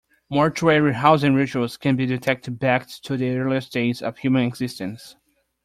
Mortuary housing rituals can be detected back to the earliest days of human existence.